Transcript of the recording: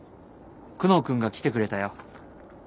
久能君が来てくれたよ。